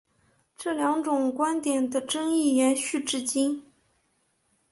这两种观点的争议延续至今。